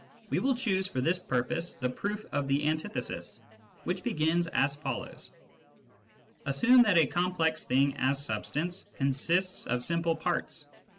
We will choose for this purpose the proof of the antithesis, which begins as follows :" Assimie that a complex thing (as substance) consists of simple parts.